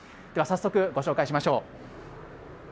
では、さっそくご紹介しましょう。